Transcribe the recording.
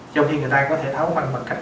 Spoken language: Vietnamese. trong khi người ta có thể tháo bằng cách